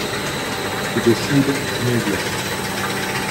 Coup de foudre immédiat.